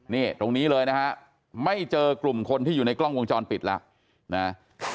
นี่ตรงนี้เลยนะฮะไม่เจอกลุ่มคนที่อยู่ในกล้องวงจรปิดแล้วนะ